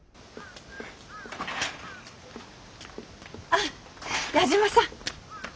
あっ矢島さん。